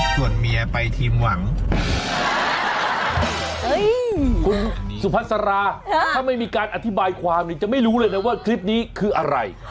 คุณสุภาษาราถ้าไม่มีการอธิบายความจะไม่รู้เลยนะว่าคลิปนี้คืออะไร